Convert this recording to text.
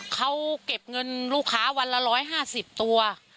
เขาเก็บเงินลูกค้าวันละ๑๕๐ตัว